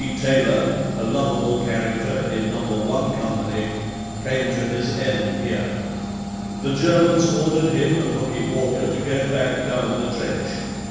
Taylor, a lovable character in Number One Company, came to his end here. The Germans ordered him and Hookie Walker to go back down the trench.